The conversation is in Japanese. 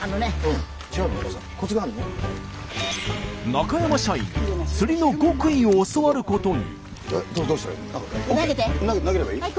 中山社員釣りの極意を教わることに。